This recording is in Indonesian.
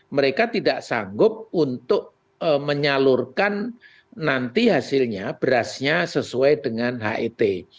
mereka tidak sanggup untuk menyalurkan nanti hasilnya berasnya sesuai dengan het